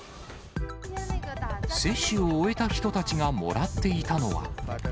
接種を終えた人たちがもらっていたのは。